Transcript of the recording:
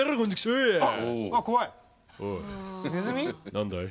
何だい？